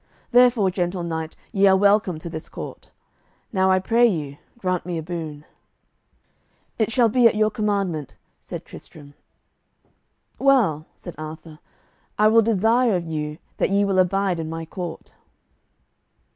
Therefore, gentle knight, ye are welcome to this court. Now I pray you, grant me a boon." "It shall be at your commandment," said Tristram. "Well," said Arthur, "I will desire of you that ye will abide in my court."